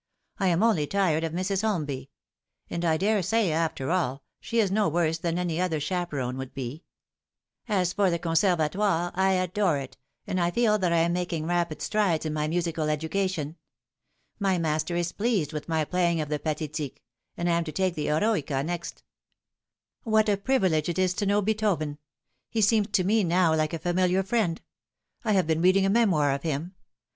I am only tired of Mrs. Holmby ; and I daresay, after all, she is no worse than any other chaperon would be. As for the Conser vatoire, I adore it, and I feel that I am making rapid strides in my musical education. My master is pleased with my playing of the ' Pathetique,' and I am to take the ' Eroica ' next. What a privilege it is to know Beethoven ! He seems to me now like a familiar friend. I have been reading a memoir of him..